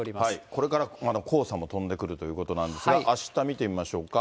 これからまた黄砂も飛んでくるということなんですが、あした見てみましょうか。